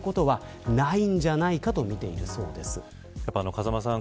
風間さん